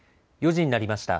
４時になりました。